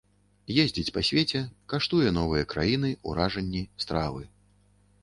Ездзіць па свеце, каштуе новыя краіны, уражанні, стравы.